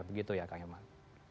begitu ya kak hilman